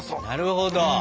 なるほど。